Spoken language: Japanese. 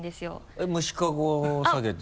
えっ虫かご下げて？